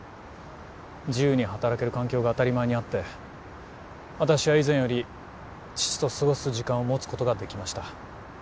自由に働ける環境が当たり前にあって私は以前より父と過ごす時間を持つことができました